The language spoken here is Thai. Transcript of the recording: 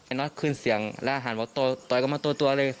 น็อตขึ้นเสียงแล้วหันบอกต่อยกลับมาตัวเลย